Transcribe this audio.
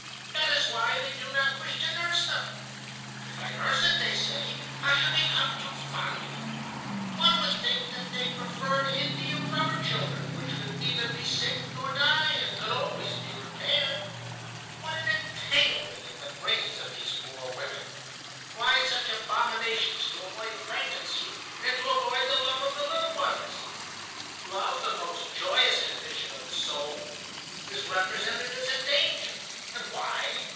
That is why they do not wish to nurse them. 'If I nurse it,' they say, 'I shall become too fond of it.' One would think that they preferred india rubber children, which could neither be sick nor die, and could always be repaired. What an entanglement in the brains of these poor women! Why such abominations to avoid pregnancy, and to avoid the love of the little ones? "Love, the most joyous condition of the soul, is represented as a danger. And why?